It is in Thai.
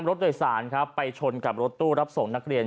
รถโดยสารครับไปชนกับรถตู้รับส่งนักเรียน